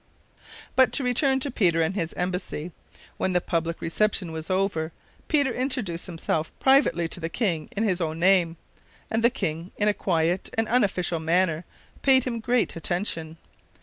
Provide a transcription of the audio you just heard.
But to return to Peter and his embassy. When the public reception was over Peter introduced himself privately to the king in his own name, and the king, in a quiet and unofficial manner, paid him great attention.